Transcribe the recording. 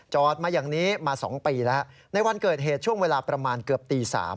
มาอย่างนี้มา๒ปีแล้วในวันเกิดเหตุช่วงเวลาประมาณเกือบตี๓